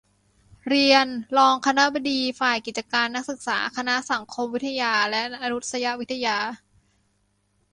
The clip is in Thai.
เรียน รองคณบดีฝ่ายกิจการนักศึกษา คณะสังคมวิทยาและมานุษยวิทยา